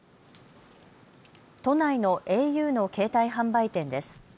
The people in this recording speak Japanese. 都内のａｕの携帯販売店です。